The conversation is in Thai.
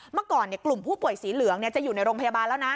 เมื่อก่อนกลุ่มผู้ป่วยสีเหลืองจะอยู่ในโรงพยาบาลแล้วนะ